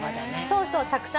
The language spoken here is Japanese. そうそう。